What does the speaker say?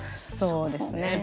そうですね。